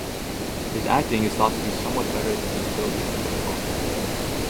His acting is thought to somewhat better than his ability on the baseball field.